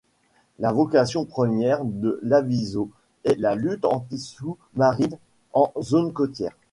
La vocation première de l'aviso est la lutte anti-sous-marine en zone côtière.